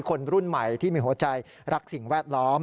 คนรุ่นใหม่ที่มีหัวใจรักสิ่งแวดล้อม